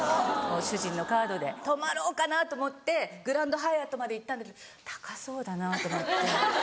主人のカードで泊まろうかなと思ってグランドハイアットまで行ったんだけど高そうだなと思って。